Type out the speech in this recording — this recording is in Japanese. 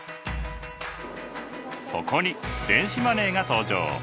そこに電子マネーが登場。